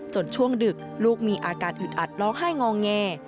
ช่วงดึกลูกมีอาการอึดอัดร้องไห้งอแง